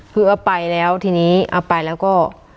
คือเอาไปแล้วทีนี้เอาไปแล้วก็